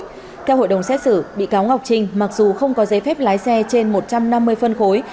theo hội đồng xét xử bị cáo ngọc trinh mặc dù không có giấy phép lái xe trên một trăm năm mươi phân khối